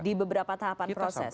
di beberapa tahapan proses